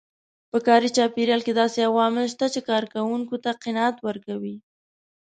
په کاري چاپېريال کې داسې عوامل شته چې کار کوونکو ته قناعت ورکوي.